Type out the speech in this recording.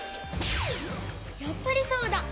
やっぱりそうだ！